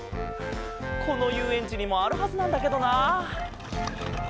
このゆうえんちにもあるはずなんだけどな。